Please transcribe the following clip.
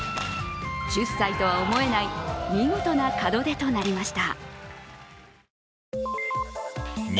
１０歳とは思えない見事な門出となりました。